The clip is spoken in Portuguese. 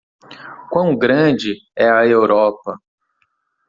Quão grande é a Europa?